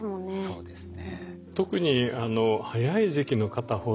そうですね